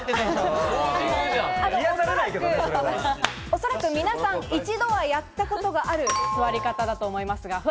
おそらく皆さん、一度はやったことがある座り方だと思いますが。